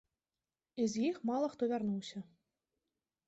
І з іх мала хто вярнуўся.